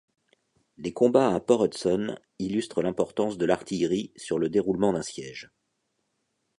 Les combats à Port Hudson illustrent l'importance de l'artillerie sur le déroulement d'un siège.